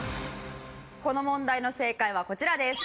この問題の正解はこちらです。